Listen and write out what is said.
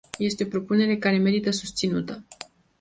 Este o propunere care merită susținută.